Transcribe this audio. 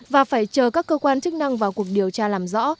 và phải chờ các cơ quan chức năng vào cuộc điều tra làm rõ